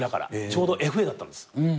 ちょうどＦＡだったんです。